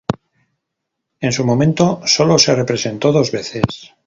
En su momento sólo se representó dos veces.